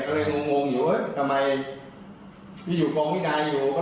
ก็เลยงงงงอยู่เอ้ยที่อยู่กองพี่นายอยู่ก็เลย